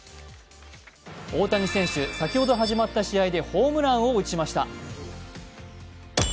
大谷選手、先ほど始まった試合でホームランを打ちました。